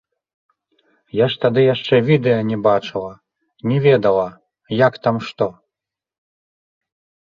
Я ж тады яшчэ відэа не бачыла, не ведала, як там што.